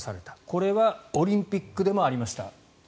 これはオリンピックでもありました。